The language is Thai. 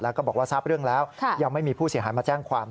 แล้วก็บอกว่าทราบเรื่องแล้วยังไม่มีผู้เสียหายมาแจ้งความ